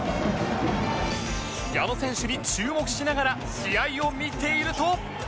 矢野選手に注目しながら試合を見ていると